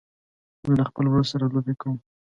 زه له خپل ورور سره لوبې کوم.